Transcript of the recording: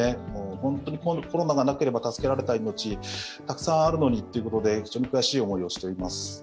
本当にコロナがなければ助けられた命がたくさんあるのにということで非常に悔しい思いをしています。